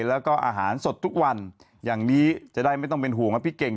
แล้วก็อาหารสดทุกวันอย่างนี้จะได้ไม่ต้องเป็นห่วงว่าพี่เก่ง